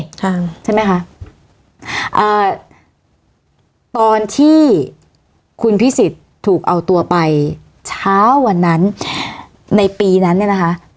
ค่ะใช่ไหมคะอ่าตอนที่คุณพิสิทธิ์ถูกเอาตัวไปเช้าวันนั้นในปีนั้นเนี่ยนะคะ